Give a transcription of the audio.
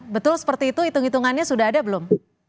betul seperti itu hitung hitungannya sudah ada belum